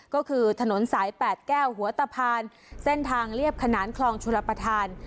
ก็คือถนนสาย๘แก้วหัวตะพานเส้นทางเรียบขนานคลองชลประธาน